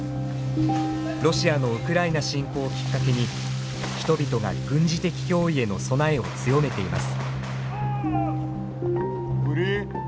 ロシアのウクライナ侵攻をきっかけに人々が軍事的脅威への備えを強めています。